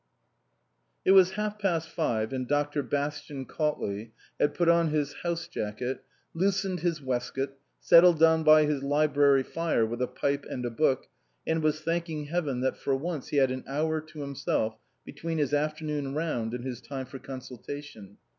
IT was half past five and Dr. Bastian Cautley had put on his house jacket, loosened his waistcoat, settled down by his library fire with a pipe and i a book, and was thanking Heaven that for once he had an hour to himself between his afternoon round and his time for consulta tion.